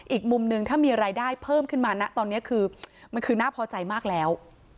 อีกมุมหนึ่งถ้ามีรายได้เพิ่มขึ้นมานะตอนนี้คือมันคือน่าพอใจมากแล้ว